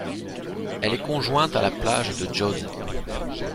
Elle est conjointe à la plage de Djose.